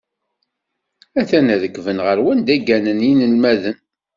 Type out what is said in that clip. A-t-an rekben ɣer wanda gganen yinelmaden.